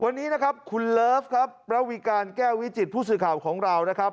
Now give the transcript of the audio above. วันนี้นะครับคุณเลิฟครับระวิการแก้ววิจิตผู้สื่อข่าวของเรานะครับ